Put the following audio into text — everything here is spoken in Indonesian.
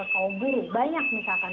kaum buruh banyak misalkan